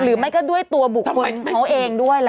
หรือไม่ก็ด้วยตัวบุคคลเขาเองด้วยล่ะ